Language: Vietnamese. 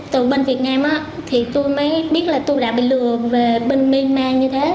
từ bên việt nam thì tôi mới biết là tôi đã bị lừa về bên myanmar như thế